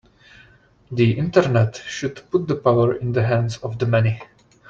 The Internet should put the power in the hands of the many.